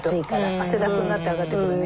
汗だくになって上がってくるね。